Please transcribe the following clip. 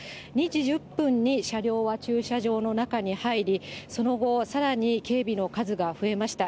２時１０分に車両は駐車場の中に入り、その後、さらに警備の数が増えました。